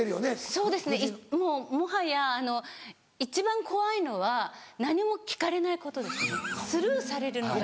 そうですねもうもはや一番怖いのは何も聞かれないことですねスルーされるのが。